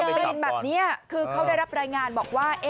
ปีนแบบนี้คือเขาได้รับรายงานบอกว่า